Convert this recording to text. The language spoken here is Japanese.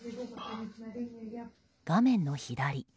画面の左。